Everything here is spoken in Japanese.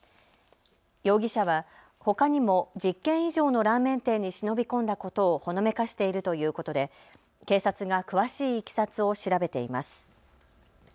容疑者はほかにも１０軒以上のラーメン店に忍び込んだことをほのめかしているということで警察が詳しいいきさつを調べています。